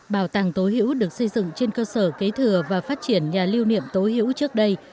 bảo tàng tố hữu được xây dựng trên cơ sở kế thừa và phát triển nhà lưu niệm tố hữu trước đây